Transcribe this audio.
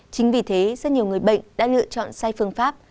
chính vì thế rất nhiều người bệnh đã lựa chọn sai phương pháp